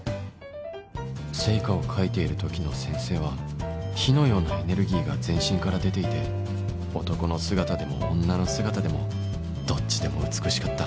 『ＳＥＩＫＡ』を描いている時の先生は火のようなエネルギーが全身から出ていて男の姿でも女の姿でもどっちでも美しかった